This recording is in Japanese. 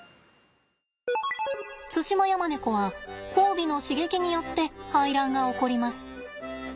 ツシマヤマネコは交尾の刺激によって排卵が起こります。